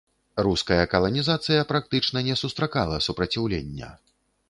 Руская каланізацыя практычна не сустракала супраціўлення.